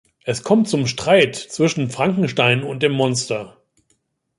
Es kommt zum Streit zwischen Frankenstein und dem Monster.